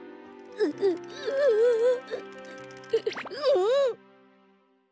うん。